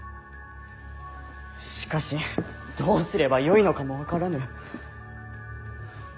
しかしどうすればよいのかも分からぬ。